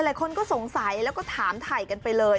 หลายคนก็สงสัยแล้วก็ถามถ่ายกันไปเลย